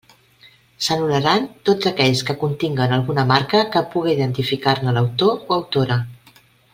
S'anul·laran tots aquells que continguen alguna marca que puga identificar-ne l'autor o autora.